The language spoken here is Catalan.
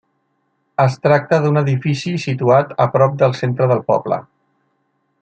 Es tracta d'un edifici situat a prop del centre del poble.